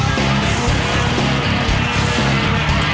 ละลูก